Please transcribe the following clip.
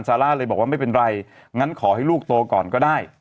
ซาร่าเลยบอกว่าไม่เป็นไรงั้นขอให้ลูกโตก่อนก็ได้